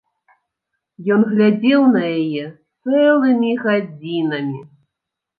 Ён глядзеў на яе цэлымі гадзінамі.